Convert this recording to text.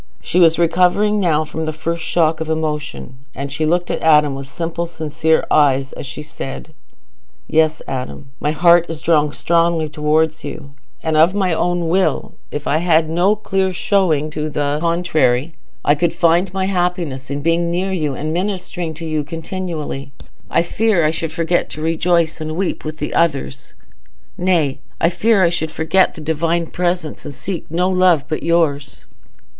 She was recovering now from the first shock of emotion, and she looked at Adam with simple sincere eyes as she said, "Yes, Adam, my heart is drawn strongly towards you; and of my own will, if I had no clear showing to the contrary, I could find my happiness in being near you and ministering to you continually. I fear I should forget to rejoice and weep with others; nay, I fear I should forget the Divine presence, and seek no love but yours."